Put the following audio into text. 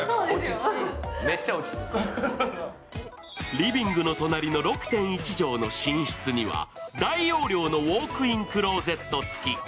リビングの隣の６．１畳の寝室には、大容量のウォークインクローゼットつき。